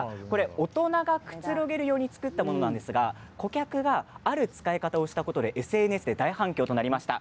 大人がくつろげるように作ったものなんですがお客がある使い方をしたことでＳＮＳで大反響となりました。